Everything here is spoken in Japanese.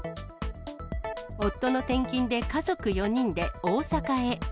夫の転勤で家族４人で大阪へ。